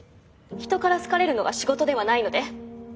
人から好かれるのが仕事ではないので。